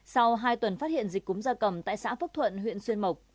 sau hai tuần phát hiện dịch cúm gia cầm tại xã phúc thuận huyện xuyên mộc